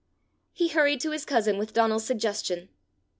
He hurried to his cousin with Donal's suggestion.